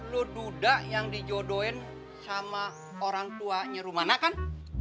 lo duda yang dijodohin sama orangtuanya rumana kan